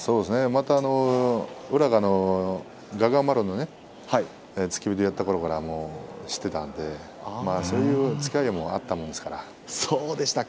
また宇良が臥牙丸の付け人をやっていたころから知っていたのでそういうつきあいもあったものですから。